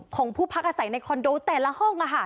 ของผู้พักอาศัยในคอนโดแต่ละห้อง